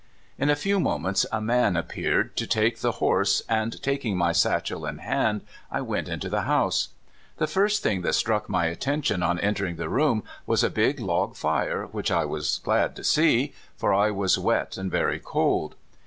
In a few moments a man appeared to take the horse, and, taking my satchel in hand, I went into the house. The first thing that struck mv atten tion on entering the room was a big log fire, which I was glad to see, for I was wet and very cold.